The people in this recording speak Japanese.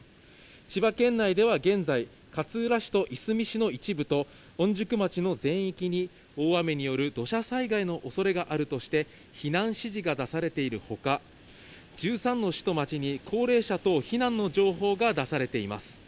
千葉県内では現在、勝浦市といすみ市の一部と、御宿町の全域に、大雨による土砂災害のおそれがあるとして、避難指示が出されているほか、１３の市と町に高齢者等避難の情報が出されています。